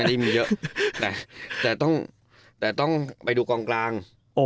ไม่ได้มีเยอะแต่ต้องไปดูกองกลาง